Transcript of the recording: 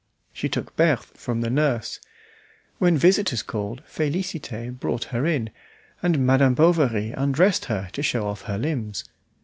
She took Berthe from nurse. When visitors called, Félicité brought her in, and Madame Bovary undressed her to show off her limbs.